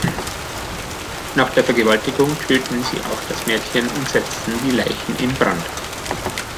Nach der Vergewaltigung töten sie auch das Mädchen und setzen die Leichen in Brand.